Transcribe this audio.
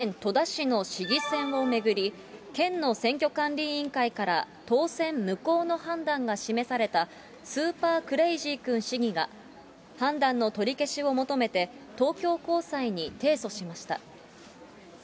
埼玉県戸田市の市議選を巡り、県の選挙管理委員会から当選無効の判断が示されたスーパークレイジー君市議が、判断の取り消しを求めて東京高裁に提訴しました。